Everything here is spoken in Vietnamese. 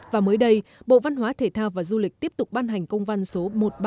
và mới đây bộ văn hóa thể thao và du lịch tiếp tục ban hành công văn số một nghìn ba trăm một mươi ba